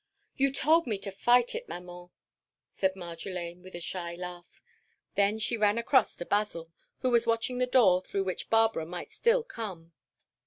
"You told me to fight it, Maman," said Marjolaine, with a shy laugh. Then she ran across to Basil, who was watching the door through which Barbara might still come.